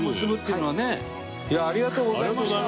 いやありがとうございました。